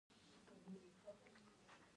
په افغانستان کې مس شتون لري.